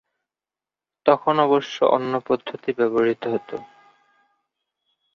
তখন অবশ্য অন্য পদ্ধতি ব্যবহৃত হত।